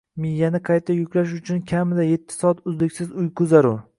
Miyani “qayta yuklash” uchun kamida yetti soat uzluksiz uyqu zarur.